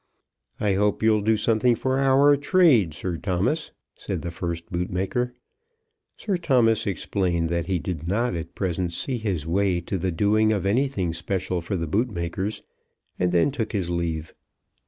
"I hope you'll do something for our trade, Sir Thomas," said the first bootmaker. Sir Thomas explained that he did not at present see his way to the doing of anything special for the bootmakers; and then took his leave.